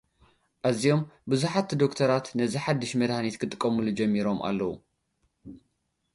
ኣዝዮም ብዙሓት ዶክቶራት፡ ነዚ ሓድሽ መድሃኒት ክጥቀምሉ ጀሚሮም ኣለዉ።